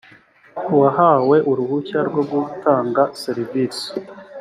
uwahawe uruhushya rwo gutanga serivisi